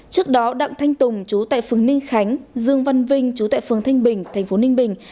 trước đó đặng thanh tùng chú tại phường ninh khánh dương văn vinh chú tại phường thanh bình tp ninh bình